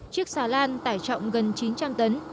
chiếc xà lan tải trọng gần chín trang tấn